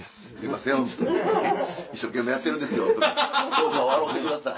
どうか笑うてください。